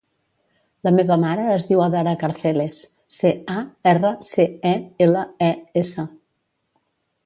La meva mare es diu Adara Carceles: ce, a, erra, ce, e, ela, e, essa.